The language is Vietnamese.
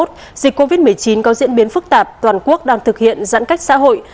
dịch covid một mươi chín có diễn biến phức tạp toàn quốc đang thực hiện giãn cách xã hội